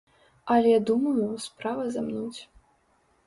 Але, думаю, справа замнуць.